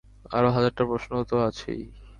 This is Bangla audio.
আরো হাজারটা প্রশ্ন তো আছেই।